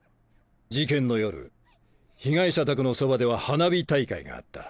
事件の夜被害者宅のそばでは花火大会があった。